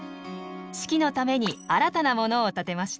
式のために新たなものを建てました。